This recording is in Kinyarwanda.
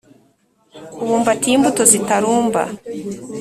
ubumbatiye imbuto zitarumba